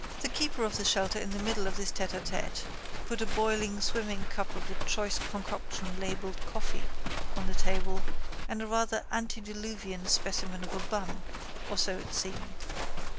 The keeper of the shelter in the middle of this tête à tête put a boiling swimming cup of a choice concoction labelled coffee on the table and a rather antediluvian specimen of a bun, or so it seemed.